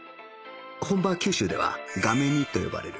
本場九州では「がめ煮」と呼ばれる